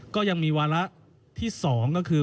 ก็ยังมีวาระที่๒ก็คือ